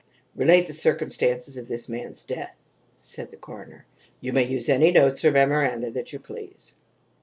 "Relate the circumstances of this man's death," said the coroner. "You may use any notes or memoranda that you please."